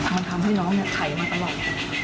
มันทำให้น้องไขมาตลอด